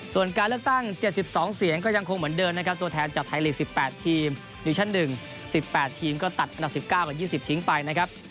ส่วนการเลือกตั้ง๗๒เสียงก็ยังคงเหมือนเดิมนะครับตัวแทนจากไทยลีก๑๘ทีมดิชั่น๑๑๘ทีมก็ตัดอันดับ๑๙กับ๒๐ทิ้งไปนะครับ